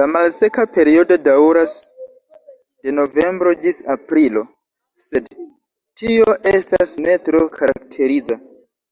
La malseka periodo daŭras de novembro ĝis aprilo, sed tio estas ne tro karakteriza.